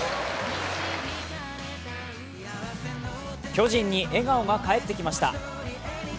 巨人に笑顔が返ってきました。